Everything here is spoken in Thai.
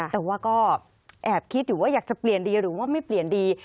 แต่ว่าก็แอบคิดอยู่ว่าอยากจะเปลี่ยนดีหรือว่าไม่เปลี่ยนดี